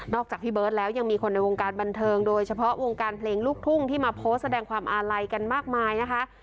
จากพี่เบิร์ตแล้วยังมีคนในวงการบันเทิงโดยเฉพาะวงการเพลงลูกทุ่งที่มาโพสต์แสดงความอาลัยกันมากมายนะคะ